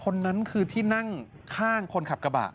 คนนั้นคือที่นั่งข้างคนขับกระบะ